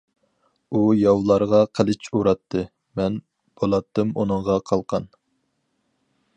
ئۇ ياۋلارغا قىلىچ ئۇراتتى، مەن بولاتتىم ئۇنىڭغا قالقان.